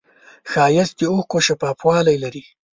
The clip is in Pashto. ښایست د اوښکو شفافوالی لري